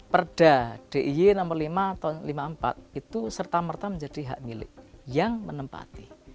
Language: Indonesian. perda d i y nomor lima tahun seribu sembilan ratus lima puluh empat itu serta merta menjadi hak milik yang menempati